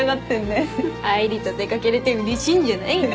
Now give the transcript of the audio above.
愛梨と出掛けれてうれしいんじゃないの？